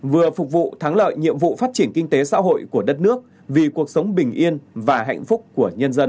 vừa phục vụ thắng lợi nhiệm vụ phát triển kinh tế xã hội của đất nước vì cuộc sống bình yên và hạnh phúc của nhân dân